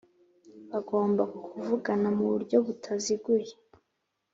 bagomba kuvugana mu buryo butaziguye